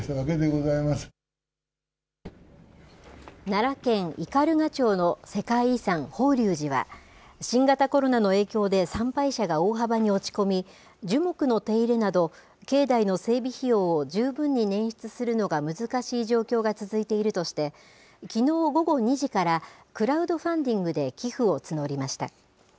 奈良県斑鳩町の世界遺産、法隆寺は、新型コロナの影響で参拝者が大幅に落ち込み、樹木の手入れなど、境内の整備費用を十分に捻出するのが難しい状況が続いているとして、きのう午後２時からクラウドファンディングで寄付を募りました。